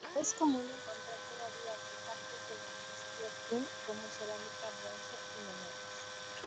Es común encontrar todavía artefactos de la dinastía Qin, como cerámica, bronce y monedas.